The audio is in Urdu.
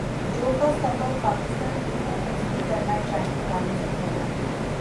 جو کا سبب پاکستان کرکٹ تنزلی کرنا جانب گامزن ہونا